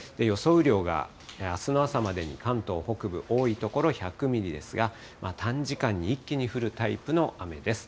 雨量が、あすの朝までに関東北部、多い所１００ミリですが、短時間に一気に降るタイプの雨です。